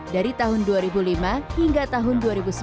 dari tahun dua ribu lima hingga tahun dua ribu sepuluh